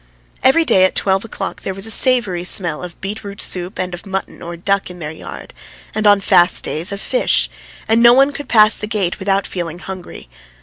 Every day at twelve o'clock there was a savoury smell of beet root soup and of mutton or duck in their yard, and on fast days of fish, and no one could pass the gate without feeling hungry.